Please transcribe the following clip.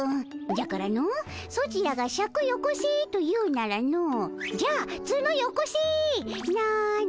じゃからのソチらが「シャクよこせ」と言うならの「じゃあツノよこせ」なのじゃ。